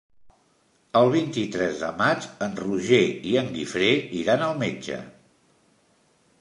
El vint-i-tres de maig en Roger i en Guifré iran al metge.